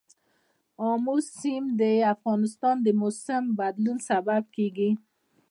آمو سیند د افغانستان د موسم د بدلون سبب کېږي.